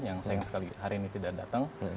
yang sayang sekali hari ini tidak datang